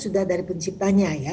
sudah dari penciptanya ya